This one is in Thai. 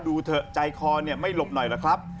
ดูเถอะใจคอไม่หลบหน่อยล่ะครับ